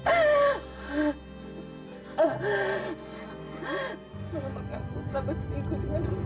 aku telah bersama dengan uzi